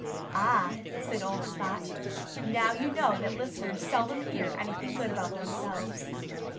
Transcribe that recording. "Ah!" said old Spot. "Now you know that listeners seldom hear anything good about themselves."